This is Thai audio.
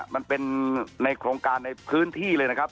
มันเป็นในโครงการในพื้นที่เลยนะครับ